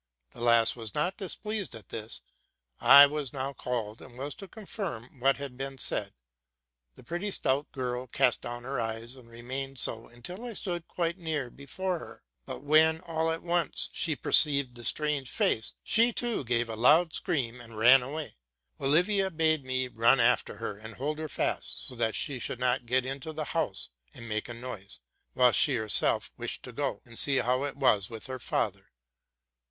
'The lass was not displeased at this: I was now called, and was to confirm what had been said. The pretty, stout RELATING TO MY LIFE. 49 oitl cast down her eyes, and remained so until I stood quite near before her. But when, all at once, she perceived the strange face, she, too, gave a loud scream, and ran away. Olivia bade me run after her and hold her fast, so that she should not get into the house and make a noise; while she herself wished to go and see how it was with her father.